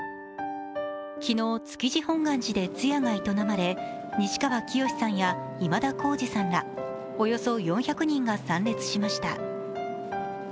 昨日、築地本願寺で通夜が営まれ、西川きよしさんや今田耕司さんらおよそ４００人が参列しました。